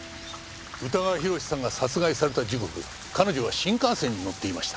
宇田川宏さんが殺害された時刻彼女は新幹線に乗っていました。